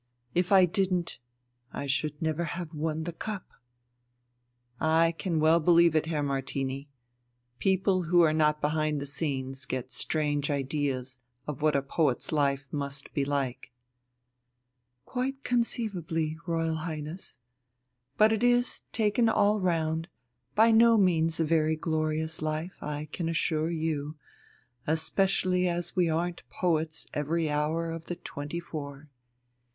If I didn't, I should never have won the cup." "I can well believe it, Herr Martini. People who are not behind the scenes get strange ideas of what a poet's life must be like." "Quite conceivably, Royal Highness. But it is, taken all round, by no means a very glorious life, I can assure you, especially as we aren't poets every hour of the twenty four.